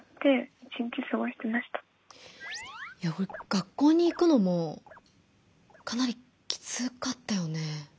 学校に行くのもかなりきつかったよね。